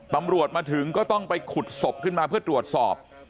ตำรวจมาถึงก็ต้องไปขุดศพขึ้นมาเพื่อตรวจสอบ